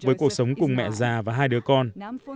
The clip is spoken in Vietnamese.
với cuộc sống cùng mẹ già và hai đứa con